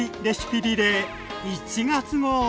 レシピリレー」１月号！